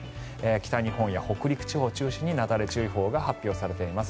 北日本や北陸地方を中心になだれ注意報が発表されています。